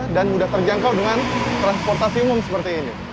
dan udah terjangkau dengan transportasi umum seperti ini